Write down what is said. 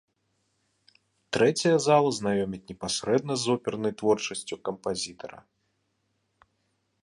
Трэцяя зала знаёміць непасрэдна з опернай творчасцю кампазітара.